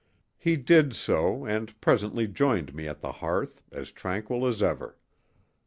He did so and presently joined me at the hearth, as tranquil as ever.